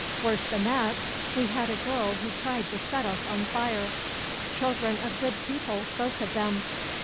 Worse than that, we had a girl who tried to set us on fire. Children of good people, both of them.